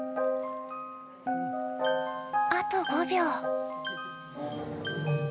あと５秒。